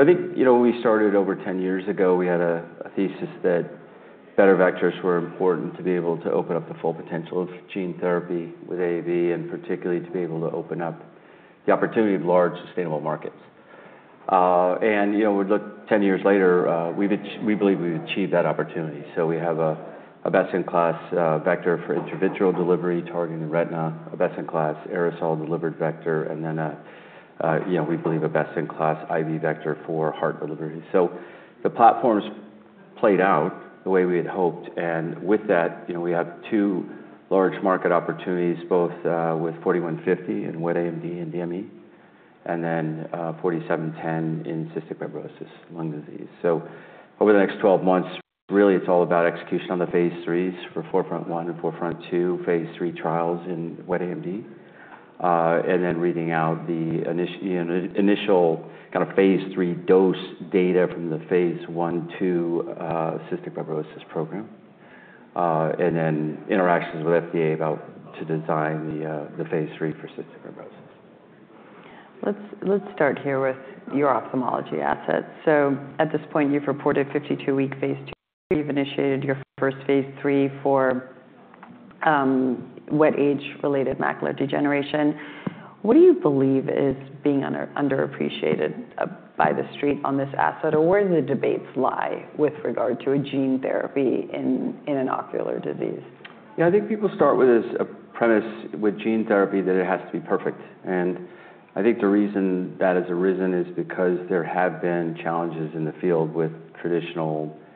I think, you know, we started over 10 years ago. We had a thesis that better vectors were important to be able to open up the full potential of gene therapy with AAV, and particularly to be able to open up the opportunity of large sustainable markets. You know, we look 10 years later, we believe we've achieved that opportunity. We have a best-in-class vector for intravitreal delivery targeting retina, a best-in-class aerosol-delivered vector, and then, you know, we believe a best-in-class IV vector for heart delivery. The platform's played out the way we had hoped, and with that, you know, we have two large market opportunities, both with 4D-150 in wet AMD and DME, and then 4D-710 in cystic fibrosis, lung disease. Over the next 12 months, really, it's all about execution on the phase IIIs for 4D-150 and 4D-150 phase III trials in wet AMD, and then reading out the initial kind of phase III dose data from the phase I, II, cystic fibrosis program, and then interactions with FDA about to design the phase III for cystic fibrosis. Let's start here with your ophthalmology assets. At this point, you've reported 52-week phase II. You've initiated your first phase III for wet age-related macular degeneration. What do you believe is being underappreciated by the street on this asset, or where do the debates lie with regard to a gene therapy in an ocular disease? Yeah, I think people start with this premise with gene therapy that it has to be perfect. I think the reason that has arisen is because there have been challenges in the field with traditional, you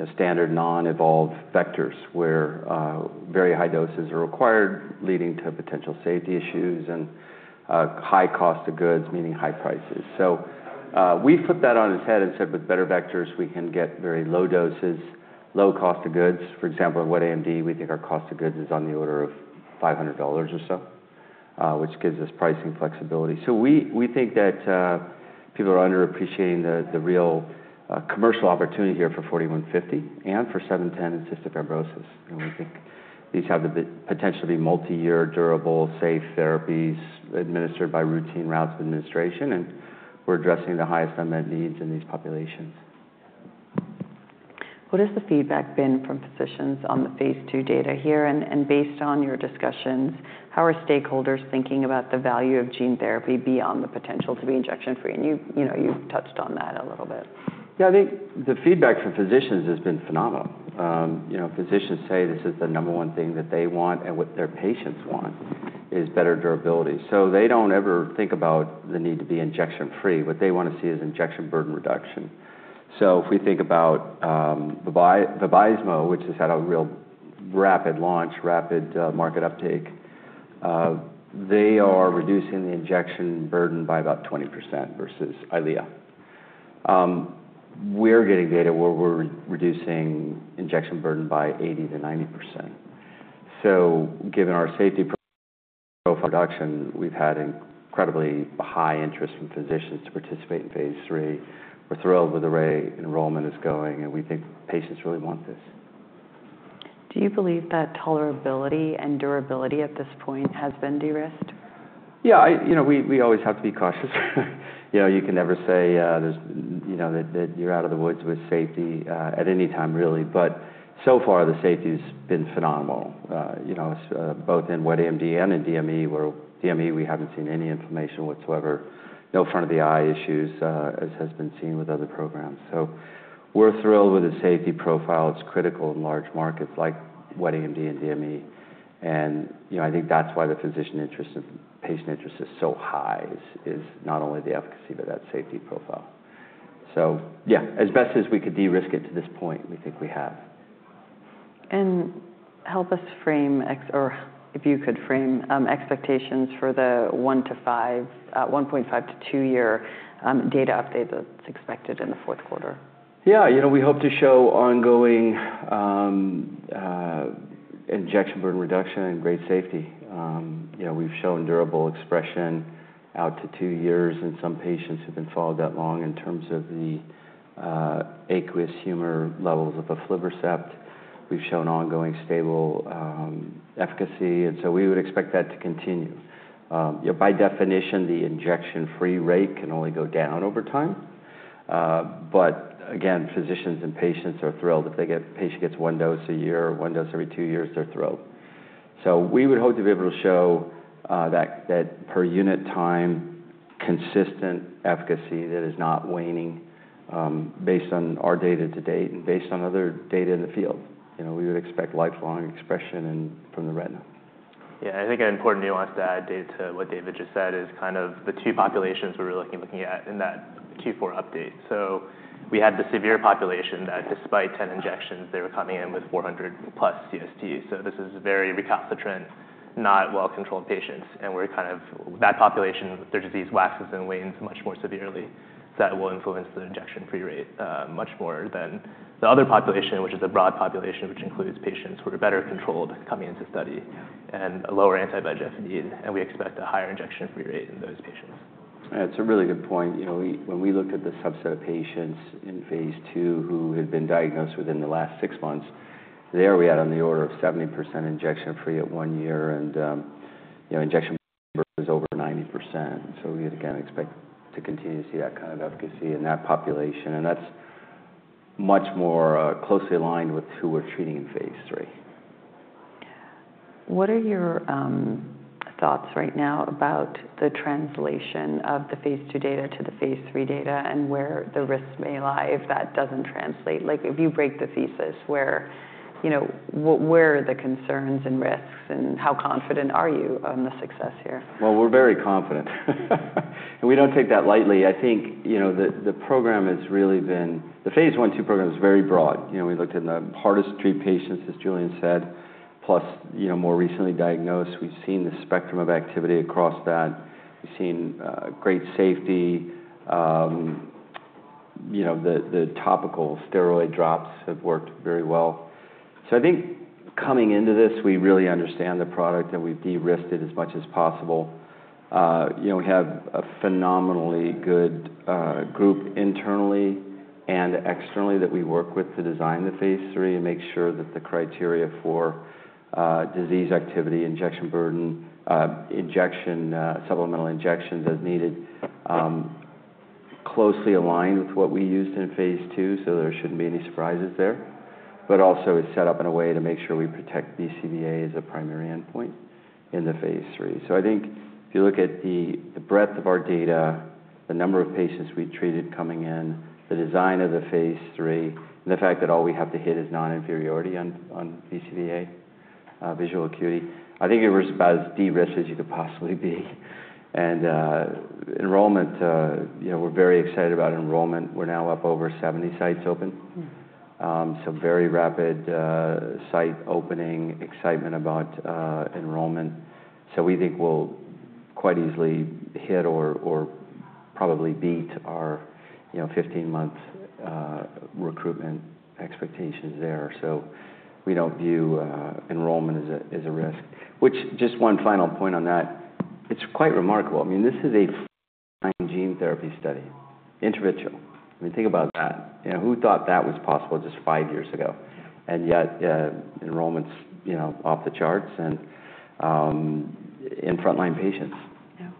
know, standard non-evolved vectors where very high doses are required, leading to potential safety issues and high cost of goods, meaning high prices. We flipped that on its head and said with better vectors, we can get very low doses, low cost of goods. For example, in wet AMD, we think our cost of goods is on the order of $500 or so, which gives us pricing flexibility. We think that people are underappreciating the real commercial opportunity here for 4D-150 and for 4D-710 in cystic fibrosis. We think these have the potential to be multi-year, durable, safe therapies administered by routine routes of administration, and we're addressing the highest unmet needs in these populations. What has the feedback been from physicians on the phase II data here? And based on your discussions, how are stakeholders thinking about the value of gene therapy beyond the potential to be injection-free? And you, you know, you've touched on that a little bit. Yeah, I think the feedback from physicians has been phenomenal. You know, physicians say this is the number one thing that they want, and what their patients want is better durability. They do not ever think about the need to be injection-free. What they want to see is injection burden reduction. If we think about Vabysmo, which has had a real rapid launch, rapid market uptake, they are reducing the injection burden by about 20% versus Eylea. We are getting data where we are reducing injection burden by 80% to 90%. Given our safety profile reduction, we have had incredibly high interest from physicians to participate in phase III. We are thrilled with the way enrollment is going, and we think patients really want this. Do you believe that tolerability and durability at this point has been de-risked? Yeah, I, you know, we always have to be cautious. You know, you can never say, there's, you know, that you're out of the woods with safety, at any time, really. But so far, the safety's been phenomenal. You know, it's, both in wet AMD and in DME, where DME, we haven't seen any inflammation whatsoever, no front-of-the-eye issues, as has been seen with other programs. We're thrilled with the safety profile. It's critical in large markets like wet AMD and DME. You know, I think that's why the physician interest and patient interest is so high, is, is not only the efficacy but that safety profile. Yeah, as best as we could de-risk it to this point, we think we have. Help us frame, or if you could frame, expectations for the 1.5 years -2 years, data update that's expected in the fourth quarter. Yeah, you know, we hope to show ongoing injection burden reduction and great safety. You know, we've shown durable expression out to two years, and some patients have been followed that long in terms of the aqueous humor levels of aflibercept. We've shown ongoing stable efficacy, and we would expect that to continue. You know, by definition, the injection-free rate can only go down over time. Again, physicians and patients are thrilled. If a patient gets one dose a year, one dose every two years, they're thrilled. We would hope to be able to show that, that per unit time, consistent efficacy that is not waning, based on our data to date and based on other data in the field. You know, we would expect lifelong expression from the retina. Yeah, I think an important nuance to add to what David just said is kind of the two populations we were looking at in that Q4 update. We had the severe population that despite 10 injections, they were coming in with 400+ CST. This is very recalcitrant, not well-controlled patients, and kind of that population, their disease waxes and wanes much more severely. That will influence the injection-free rate much more than the other population, which is a broad population, which includes patients who are better controlled coming into study and a lower anti-VEGF need, and we expect a higher injection-free rate in those patients. Yeah, it's a really good point. You know, we when we look at the subset of patients in phase II who had been diagnosed within the last six months, there we had on the order of 70% injection-free at one year, and, you know, injection burden was over 90%. So we would, again, expect to continue to see that kind of efficacy in that population, and that's much more closely aligned with who we're treating in phase III. What are your thoughts right now about the translation of the phase II data to the phase III data and where the risks may lie if that does not translate? Like, if you break the thesis where, you know, where are the concerns and risks, and how confident are you on the success here? We're very confident, and we don't take that lightly. I think, you know, the program has really been, the phase II program is very broad. You know, we looked at the hardest-to-treat patients, as Julian said, plus, you know, more recently diagnosed. We've seen the spectrum of activity across that. We've seen great safety. You know, the topical steroid drops have worked very well. I think coming into this, we really understand the product and we've de-risked it as much as possible. You know, we have a phenomenally good group internally and externally that we work with to design the phase III and make sure that the criteria for disease activity, injection burden, injection, supplemental injections as needed, closely aligned with what we used in phase II, so there shouldn't be any surprises there. But also it's set up in a way to make sure we protect BCVA as a primary endpoint in the phase III. I think if you look at the breadth of our data, the number of patients we treated coming in, the design of the phase III, and the fact that all we have to hit is non-inferiority on BCVA, visual acuity, I think it was about as de-risked as you could possibly be. Enrollment, you know, we're very excited about enrollment. We're now up over 70 sites open, so very rapid site opening, excitement about enrollment. We think we'll quite easily hit or probably beat our 15-month recruitment expectations there. We don't view enrollment as a risk. Just one final point on that, it's quite remarkable. I mean, this is a fine gene therapy study, intravitreal. I mean, think about that. You know, who thought that was possible just five years ago? Yet, enrollment's, you know, off the charts and, in front-line patients. Yeah.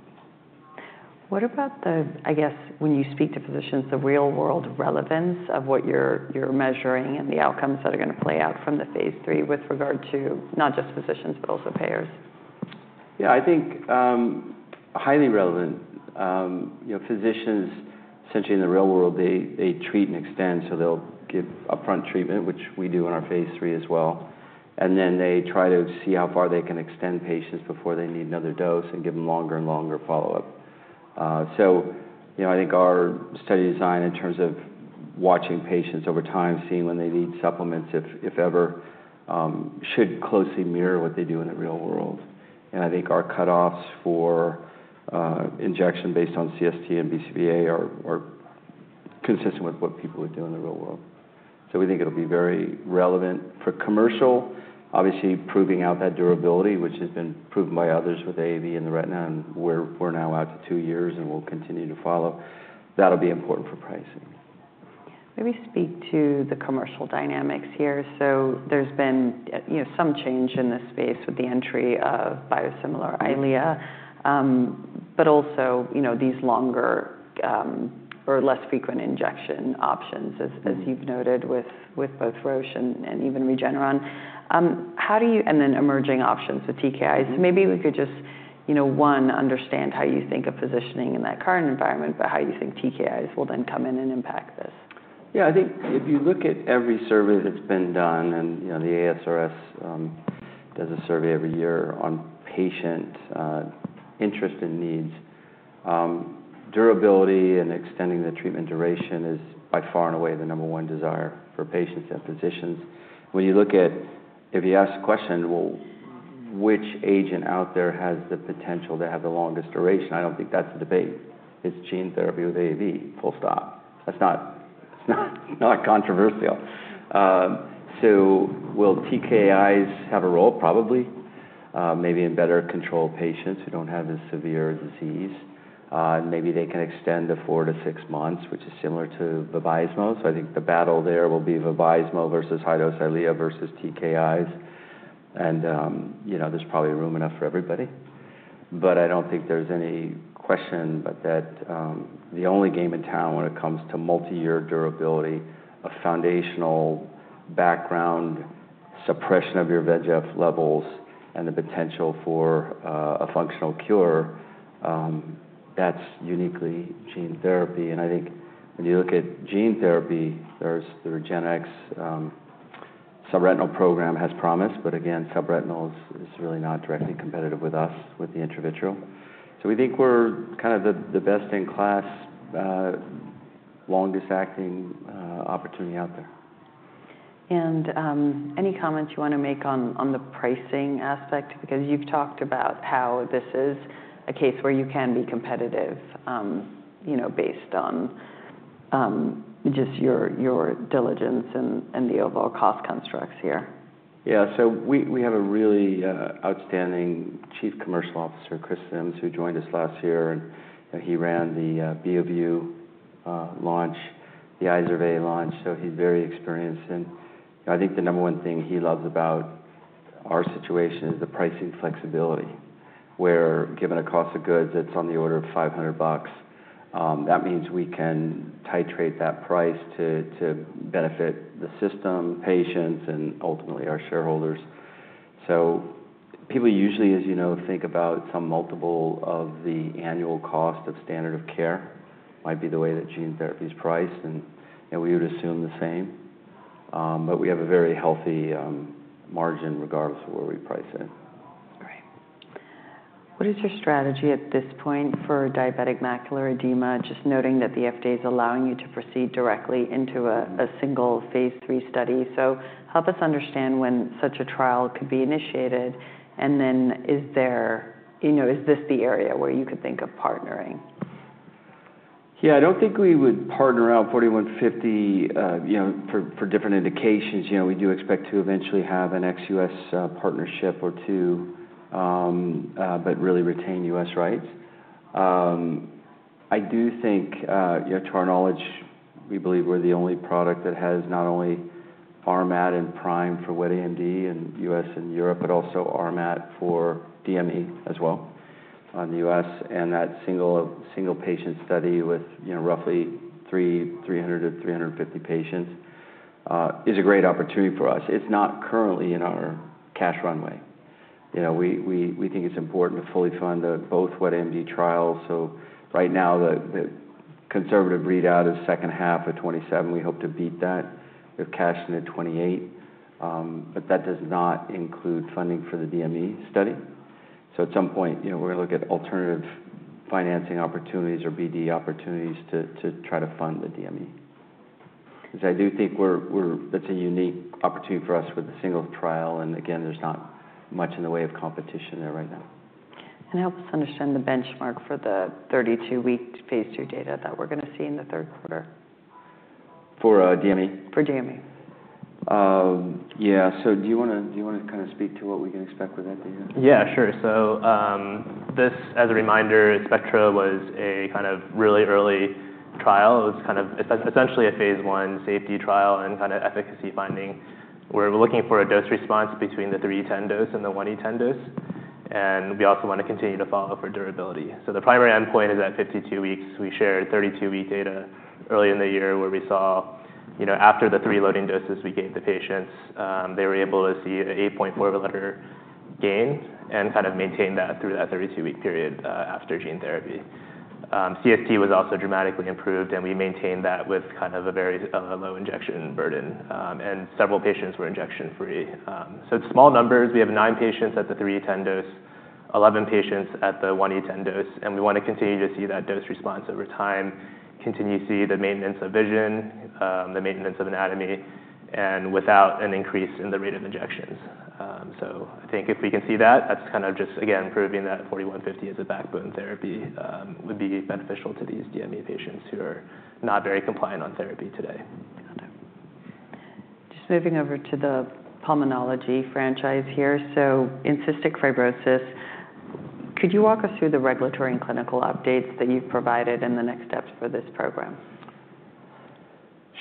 What about the, I guess, when you speak to physicians, the real-world relevance of what you're measuring and the outcomes that are gonna play out from the phase III with regard to not just physicians but also payers? Yeah, I think, highly relevant. You know, physicians essentially in the real world, they treat and extend, so they'll give upfront treatment, which we do in our phase III as well. Then they try to see how far they can extend patients before they need another dose and give them longer and longer follow-up. You know, I think our study design in terms of watching patients over time, seeing when they need supplements, if, if ever, should closely mirror what they do in the real world. I think our cutoffs for injection based on CST and BCVA are consistent with what people would do in the real world. We think it'll be very relevant for commercial, obviously proving out that durability, which has been proven by others with AAV in the retina, and we're now out to two years and we'll continue to follow. That'll be important for pricing. Maybe speak to the commercial dynamics here. So there's been, you know, some change in this space with the entry of biosimilar Eylea, but also, you know, these longer, or less frequent injection options as, as you've noted with, with both Roche and, and even Regeneron. How do you and then emerging options with TKIs? Maybe we could just, you know, one, understand how you think of positioning in that current environment, but how you think TKIs will then come in and impact this. Yeah, I think if you look at every survey that's been done, and, you know, the ASRS does a survey every year on patient interest and needs, durability and extending the treatment duration is by far and away the number one desire for patients and physicians. If you ask the question, which agent out there has the potential to have the longest duration, I don't think that's the debate. It's gene therapy with AAV, full stop. That's not controversial. So will TKIs have a role? Probably, maybe in better control of patients who don't have as severe disease, and maybe they can extend the four- to six-months, which is similar to Vabysmo. I think the battle there will be Vabysmo versus high-dose Eylea versus TKIs. And, you know, there's probably room enough for everybody. I don't think there's any question but that the only game in town when it comes to multi-year durability, a foundational background suppression of your VEGF levels and the potential for a functional cure, that's uniquely gene therapy. I think when you look at gene therapy, there's the REGENXBIO subretinal program has promise, but again, subretinal is really not directly competitive with us with the intravitreal. We think we're kind of the best in class, longest-acting opportunity out there. Any comments you wanna make on, on the pricing aspect? Because you've talked about how this is a case where you can be competitive, you know, based on, just your, your diligence and, and the overall cost constructs here. Yeah, so we have a really outstanding Chief Commercial Officer, Chris Simms, who joined us last year, and, you know, he ran the Beovu launch, the Eylea launch, so he's very experienced. You know, I think the number one thing he loves about our situation is the pricing flexibility, where given a cost of goods that's on the order of $500, that means we can titrate that price to benefit the system, patients, and ultimately our shareholders. People usually, as you know, think about some multiple of the annual cost of standard of care might be the way that gene therapy's priced, and, you know, we would assume the same. We have a very healthy margin regardless of where we price it. Great. What is your strategy at this point for diabetic macular edema? Just noting that the FDA's allowing you to proceed directly into a single phase III study. Help us understand when such a trial could be initiated, and then is there, you know, is this the area where you could think of partnering? Yeah, I don't think we would partner out 4D-150, you know, for, for different indications. You know, we do expect to eventually have an ex-U.S. partnership or two, but really retain U.S. rights. I do think, you know, to our knowledge, we believe we're the only product that has not only RMAT and PRIME for wet AMD in the U.S. and Europe, but also RMAT for DME as well in the U.S. And that single, single patient study with, you know, roughly 300-350 patients, is a great opportunity for us. It's not currently in our cash runway. You know, we think it's important to fully fund both wet AMD trials. Right now, the conservative readout is second half of 2027. We hope to beat that with cash in 2028. That does not include funding for the DME study. At some point, you know, we're gonna look at alternative financing opportunities or BD opportunities to try to fund the DME. Because I do think we're, we're that's a unique opportunity for us with the single trial, and again, there's not much in the way of competition there right now. Help us understand the benchmark for the 32-week phase II data that we're gonna see in the third quarter. For, DME? For DME. Yeah, so do you wanna kinda speak to what we can expect with that data? Yeah, sure. This, as a reminder, Spectra was a kind of really early trial. It was essentially a phase I safety trial and kind of efficacy finding where we're looking for a dose response between the 3e10 dose and the 1e10 dose. We also wanna continue to follow for durability. The primary endpoint is at 52 weeks. We shared 32-week data early in the year where we saw, you know, after the three loading doses we gave the patients, they were able to see an 8.4 letter gain and kind of maintain that through that 32-week period, after gene therapy. CST was also dramatically improved, and we maintained that with kind of a very low injection burden, and several patients were injection-free. It's small numbers. We have nine patients at the 3e10 dose, 11 patients at the 1e10 dose, and we wanna continue to see that dose response over time, continue to see the maintenance of vision, the maintenance of anatomy, and without an increase in the rate of injections. I think if we can see that, that's kind of just, again, proving that 4D-150 as a backbone therapy, would be beneficial to these DME patients who are not very compliant on therapy today. Got it. Just moving over to the pulmonology franchise here. In cystic fibrosis, could you walk us through the regulatory and clinical updates that you've provided and the next steps for this program?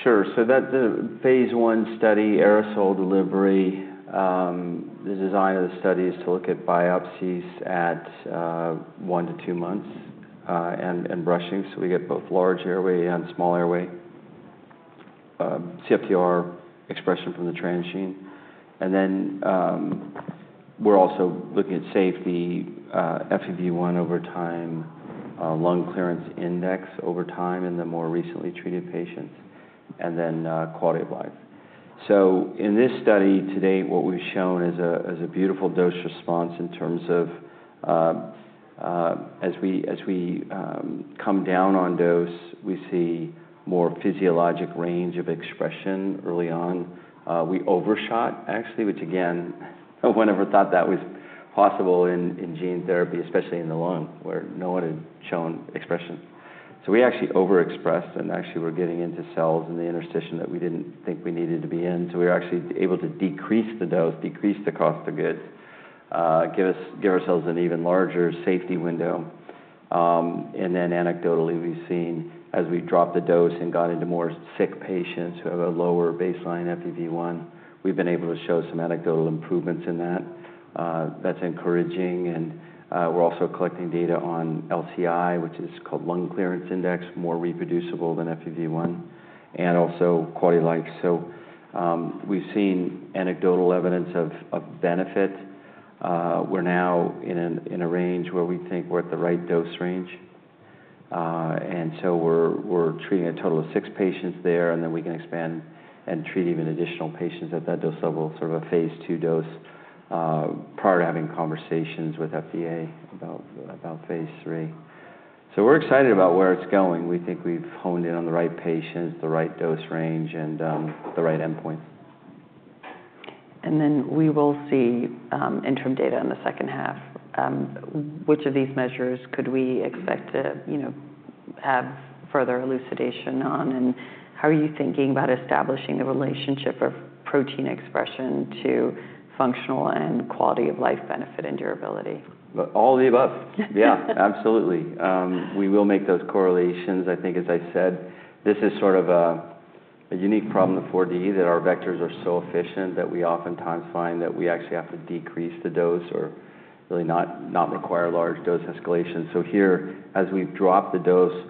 Sure. The phase I study, aerosol delivery, the design of the study is to look at biopsies at one to two months, and brushing. We get both large airway and small airway CFTR expression from the transgene. We are also looking at safety, FEV1 over time, lung clearance index over time in the more recently treated patients, and then quality of life. In this study today, what we've shown is a beautiful dose response in terms of, as we come down on dose, we see more physiologic range of expression early on. We overshot actually, which again, no one ever thought that was possible in gene therapy, especially in the lung where no one had shown expression. We actually overexpressed and actually were getting into cells in the interstitium that we didn't think we needed to be in. We were actually able to decrease the dose, decrease the cost of goods, give ourselves an even larger safety window. And then anecdotally, we've seen as we dropped the dose and got into more sick patients who have a lower baseline FEV1, we've been able to show some anecdotal improvements in that. That's encouraging. We're also collecting data on LCI, which is called lung clearance index, more reproducible than FEV1, and also quality of life. We've seen anecdotal evidence of benefit. We're now in a range where we think we're at the right dose range. We're treating a total of six patients there, and then we can expand and treat even additional patients at that dose level, sort of a phase II dose, prior to having conversations with FDA about phase III. We're excited about where it's going. We think we've honed in on the right patients, the right dose range, and the right endpoint. We will see interim data in the second half. Which of these measures could we expect to, you know, have further elucidation on? How are you thinking about establishing the relationship of protein expression to functional and quality of life benefit and durability? All of the above. Yeah, absolutely. We will make those correlations. I think, as I said, this is sort of a unique problem in the 4D that our vectors are so efficient that we oftentimes find that we actually have to decrease the dose or really not require large dose escalation. Here, as we've dropped the dose,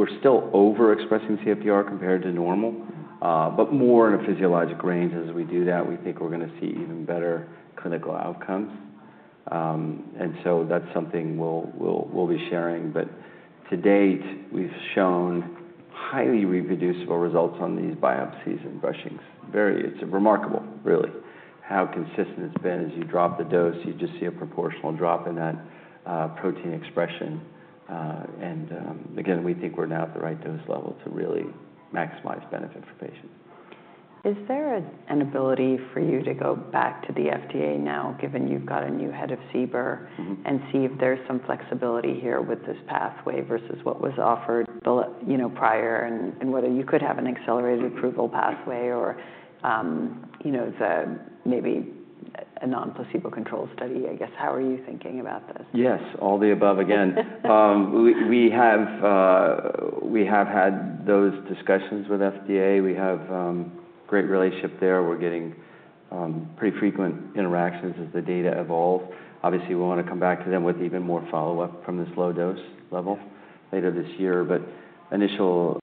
we're still overexpressing CFTR compared to normal, but more in a physiologic range. As we do that, we think we're gonna see even better clinical outcomes. That's something we'll be sharing. To date, we've shown highly reproducible results on these biopsies and brushings. It's remarkable, really, how consistent it's been. As you drop the dose, you just see a proportional drop in that protein expression. Again, we think we're now at the right dose level to really maximize benefit for patients. Is there an ability for you to go back to the FDA now, given you've got a new head of CBER, and see if there's some flexibility here with this pathway versus what was offered prior, and whether you could have an accelerated approval pathway or maybe a non-placebo control study? I guess, how are you thinking about this? Yes, all the above again. We have had those discussions with FDA. We have a great relationship there. We're getting pretty frequent interactions as the data evolve. Obviously, we wanna come back to them with even more follow-up from this low dose level later this year. Initial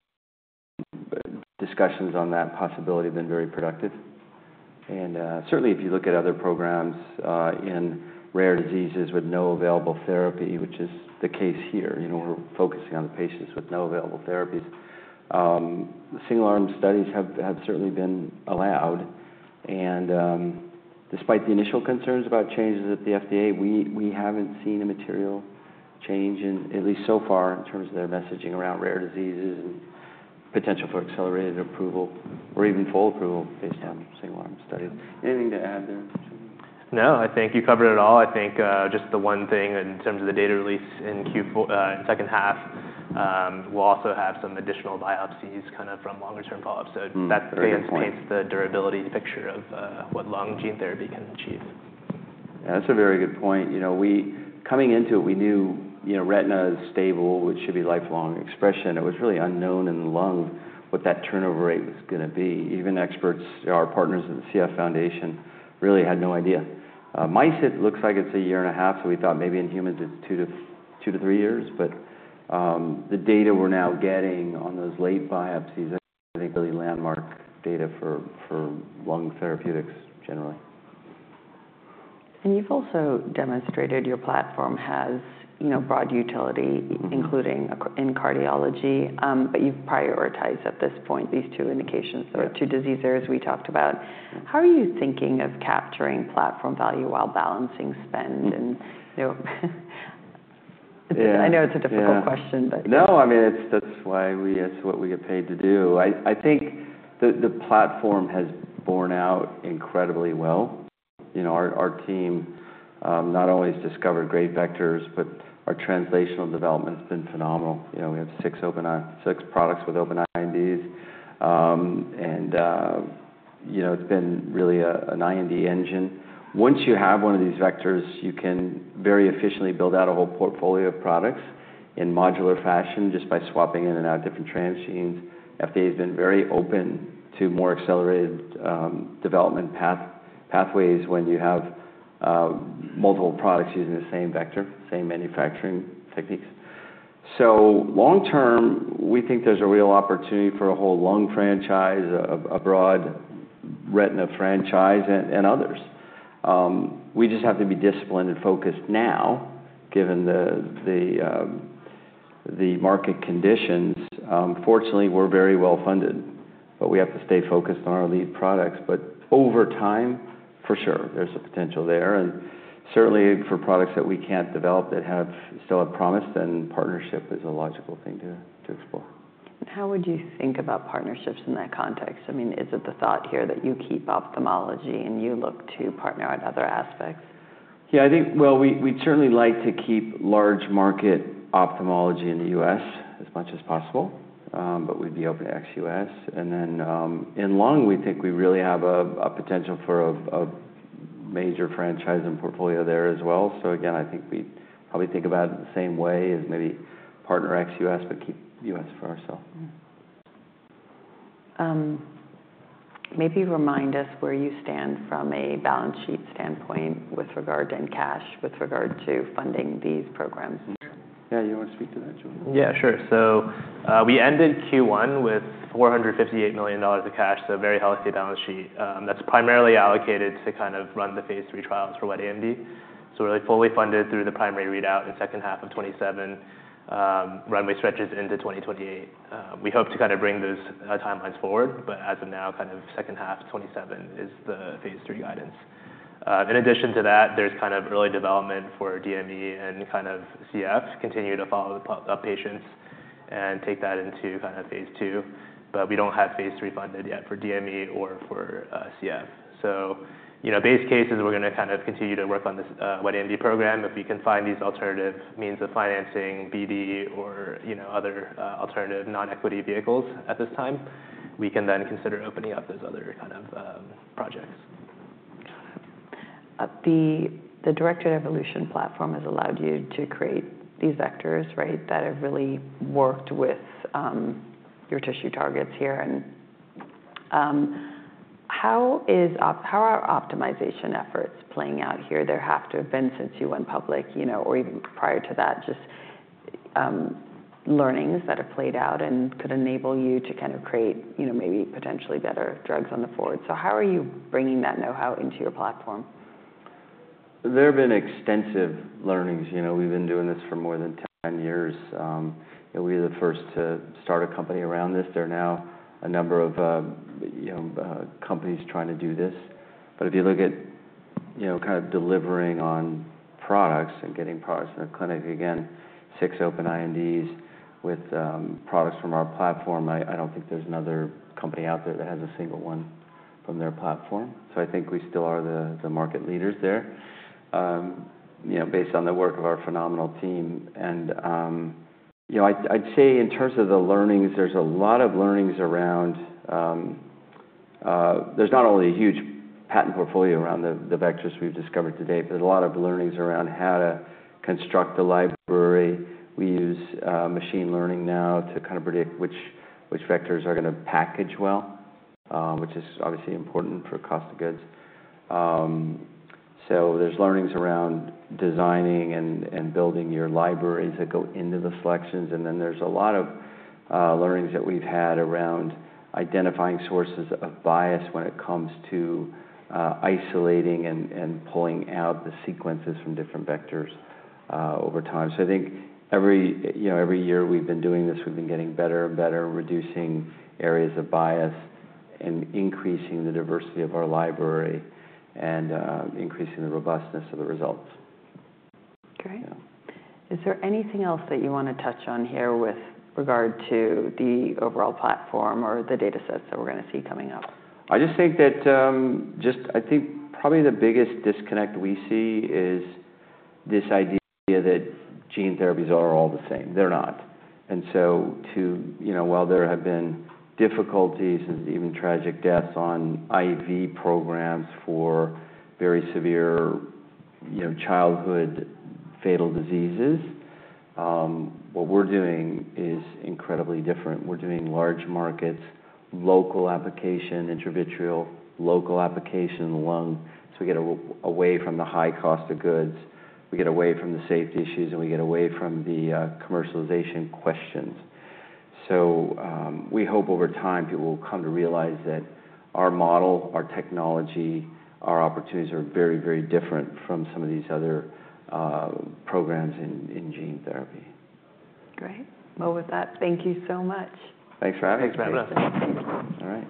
discussions on that possibility have been very productive. Certainly, if you look at other programs in rare diseases with no available therapy, which is the case here, you know, we're focusing on the patients with no available therapies. Single arm studies have certainly been allowed. Despite the initial concerns about changes at the FDA, we haven't seen a material change, at least so far, in terms of their messaging around rare diseases and potential for accelerated approval or even full approval based on single arm studies. Anything to add there Jullian? No, I think you covered it all. I think, just the one thing in terms of the data release in Q4, in second half, we'll also have some additional biopsies from longer-term follow-up. That kind of paints the durability picture of what lung gene therapy can achieve. Yeah, that's a very good point. You know, we coming into it, we knew, you know, retina is stable, which should be lifelong expression. It was really unknown in the lung what that turnover rate was gonna be. Even experts, our partners at the CF Foundation, really had no idea. In mice it looks like it's a year and a half, so we thought maybe in humans it's two to three years. The data we're now getting on those late biopsies, I think, really landmark data for lung therapeutics generally. You've also demonstrated your platform has, you know, broad utility, including in cardiology. You have prioritized at this point these two indications, the two diseases we talked about. How are you thinking of capturing platform value while balancing spend? I know it's a difficult question, but. No, I mean, it's, that's why we, it's what we get paid to do. I think the platform has borne out incredibly well. You know, our team not only has discovered great vectors, but our translational development's been phenomenal. You know, we have six products with open INDs, and, you know, it's been really an IND engine. Once you have one of these vectors, you can very efficiently build out a whole portfolio of products in modular fashion just by swapping in and out different transgenes. FDA's been very open to more accelerated development path, pathways when you have multiple products using the same vector, same manufacturing techniques. Long term, we think there's a real opportunity for a whole lung franchise, a broad retina franchise, and others. We just have to be disciplined and focused now, given the market conditions. Fortunately, we're very well funded, but we have to stay focused on our lead products. Over time, for sure, there's a potential there. Certainly for products that we can't develop that still have promise, partnership is a logical thing to explore. How would you think about partnerships in that context? I mean, is it the thought here that you keep ophthalmology and you look to partner on other aspects? Yeah, I think we’d certainly like to keep large market ophthalmology in the U.S. as much as possible, but we’d be open to ex-U.S. And then, in lung, we think we really have a potential for a major franchise and portfolio there as well. Again, I think we’d probably think about it in the same way as maybe partner ex-U.S., but keep U.S. for ourselves. Maybe remind us where you stand from a balance sheet standpoint with regard to cash with regard to funding these programs. Yeah, you wanna speak to that, Jullian? Yeah, sure. So, we ended Q1 with $458 million of cash, so a very healthy balance sheet. That's primarily allocated to kind of run the phase three trials for wet AMD. So we're like fully funded through the primary readout in second half of 2027. Runway stretches into 2028. We hope to kind of bring those timelines forward, but as of now, kind of second half 2027 is the phase three guidance. In addition to that, there's kind of early development for DME and kind of CF, continue to follow the patients and take that into kind of phase two. But we don't have phase three funded yet for DME or for CF. So, you know, base case is, we're gonna kind of continue to work on this wet AMD program. If we can find these alternative means of financing, BD or, you know, other alternative non-equity vehicles at this time, we can then consider opening up those other kind of projects. Got it. The, the Directed Evolution platform has allowed you to create these vectors, right, that have really worked with your tissue targets here. And how is, how are optimization efforts playing out here? There have to have been since you went public, you know, or even prior to that, just learnings that have played out and could enable you to kind of create, you know, maybe potentially better drugs on the forward. So how are you bringing that know-how into your platform? There have been extensive learnings. You know, we've been doing this for more than 10 years. You know, we are the first to start a company around this. There are now a number of, you know, companies trying to do this. If you look at, you know, kind of delivering on products and getting products in the clinic, again, six open INDs with products from our platform, I don't think there's another company out there that has a single one from their platform. I think we still are the market leaders there, you know, based on the work of our phenomenal team. I'd say in terms of the learnings, there's a lot of learnings around, there's not only a huge patent portfolio around the vectors we've discovered today, but there's a lot of learnings around how to construct the library. We use machine learning now to kind of predict which vectors are gonna package well, which is obviously important for cost of goods. There are learnings around designing and building your libraries that go into the selections. There is a lot of learnings that we have had around identifying sources of bias when it comes to isolating and pulling out the sequences from different vectors over time. I think every year we have been doing this, we have been getting better and better, reducing areas of bias and increasing the diversity of our library and increasing the robustness of the results. Great. Is there anything else that you wanna touch on here with regard to the overall platform or the data sets that we're gonna see coming up? I just think that, just I think probably the biggest disconnect we see is this idea that gene therapies are all the same. They're not. And to, you know, while there have been difficulties and even tragic deaths on IV programs for very severe, you know, childhood fatal diseases, what we're doing is incredibly different. We're doing large markets, local application, intravitreal, local application in the lung. We get away from the high cost of goods. We get away from the safety issues, and we get away from the commercialization questions. We hope over time people will come to realize that our model, our technology, our opportunities are very, very different from some of these other programs in gene therapy. Great. With that, thank you so much. Thanks for having us. Thanks for having us. All right.